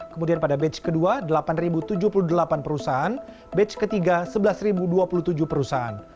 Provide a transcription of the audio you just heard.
kemudian pada batch kedua delapan tujuh puluh delapan perusahaan